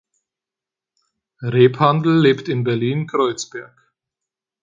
Rebhandl lebt in Berlin-Kreuzberg.